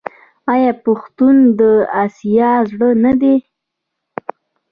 آیا پښتون د اسیا زړه نه دی؟